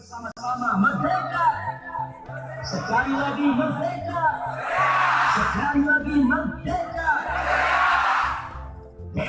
sama sama merdeka sekali lagi merdeka sekali lagi merdeka